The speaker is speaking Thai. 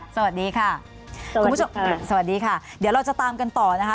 สวัสดีค่ะคุณผู้ชมสวัสดีค่ะเดี๋ยวเราจะตามกันต่อนะคะ